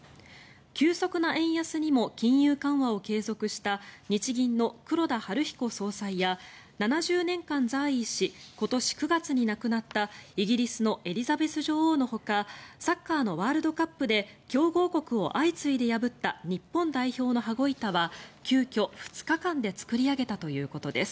急速な円安にも金融緩和を継続した日銀の黒田東彦総裁や７０年間在位し今年９月に亡くなったイギリスのエリザベス女王のほかサッカーのワールドカップで強豪国を相次いで破った日本代表の羽子板は急きょ、２日間で作り上げたということです。